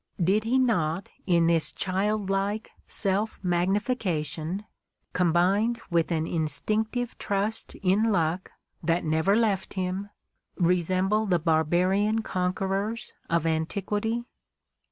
Did he not, in this childlike self magnification, combined with an instinc tive trust in luck that never left him, resemble the barbarian conquerors of antiquity?